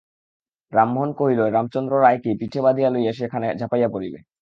রামমােহন কহিল, রামচন্দ্র রায়কে পিঠে বাঁধিয়া লইয়া সে সেই খানে ঝাঁপাইয়া পড়িবে।